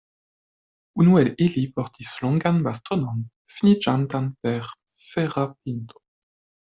Unu el ili portis longan bastonon finiĝantan per fera pinto.